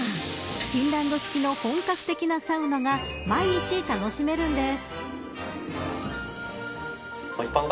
フィンランド式の本格的なサウナが毎日楽しめるんです。